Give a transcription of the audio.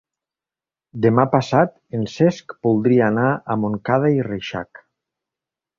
Demà passat en Cesc voldria anar a Montcada i Reixac.